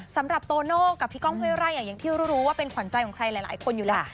สำหรับโตโน่กับพี่ก้องเฮ้ยไร่อย่างที่รู้ว่าเป็นขวัญใจของใครหลายคนอยู่แล้ว